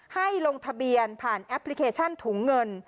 ให้ลงทะเบียนผ่านแอปพลิเคชันถุงเงิน